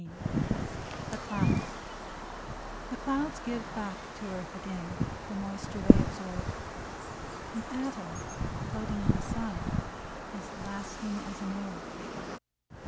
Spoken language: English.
154 THE CLOUDS 'T^HE clouds give back to earth again The moisture they absorb ; An atom floating in the sun Is lasting as an orb.